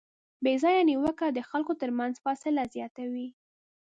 بېځایه نیوکه د خلکو ترمنځ فاصله زیاتوي.